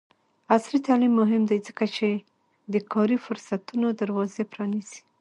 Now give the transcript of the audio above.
عصري تعلیم مهم دی ځکه چې د کاري فرصتونو دروازې پرانیزي.